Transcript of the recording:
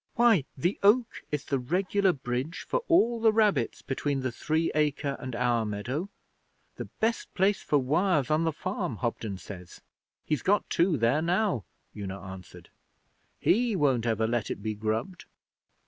'Why, the oak is the regular bridge for all the rabbits between the Three Acre and our meadow. The best place for wires on the farm, Hobden says. He's got two there now,' Una answered. 'He won't ever let it be grubbed!'